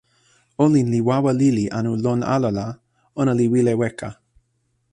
olin li wawa lili anu lon ala la, ona li wile weka.